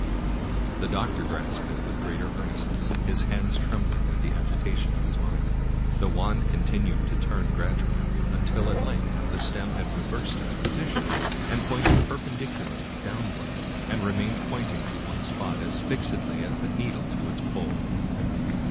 The doctor grasped it with greater earnestness, his hands trembling with the agitation of his mind. The wand continued to turn gradually, until at length the stem had reversed its position, and pointed perpendicularly down ward, and remained pointing to one spot as fixedly as the needle to the pole.